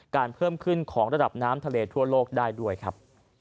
เพิ่มขึ้นของระดับน้ำทะเลทั่วโลกได้ด้วยครับ